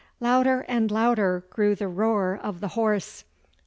Louder and louder grew the roar of the horse.